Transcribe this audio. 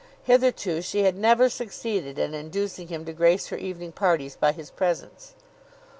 Hitherto she had never succeeded in inducing him to grace her evening parties by his presence.